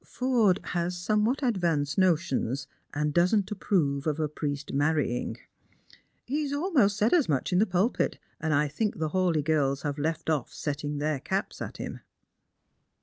Forde has somewhat advanced notions, and doesn't approve of a jjriest marrying. He has almost said as much in the pulpit, and I think the Hawleigh girls have left off setting their caps at him."